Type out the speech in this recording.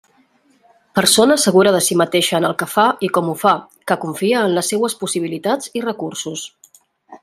Persona segura de si mateixa en el que fa i com ho fa, que confia en les seues possibilitats i recursos.